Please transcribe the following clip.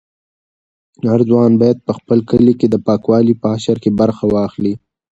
هر ځوان باید په خپل کلي کې د پاکوالي په حشر کې برخه واخلي.